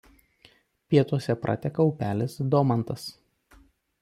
Pietuose prateka upelis Domantas.